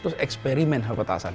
terus eksperimen hal petasan